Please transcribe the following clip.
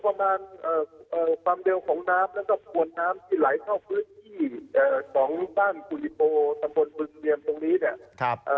ประมาณความเด็ดน้ำและผลของน้ำไหลเข้าไปที่บ้านกุฬิโปหมดบริเวณตรงนี้เนี่ย